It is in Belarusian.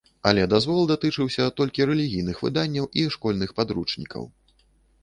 Але дазвол датычыўся толькі рэлігійных выданняў і школьных падручнікаў.